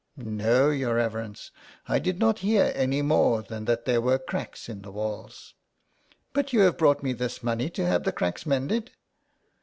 " No, your reverence, I did not hear any more than that there were cracks in the walls." *' But you have brought me this money to have the cracks mended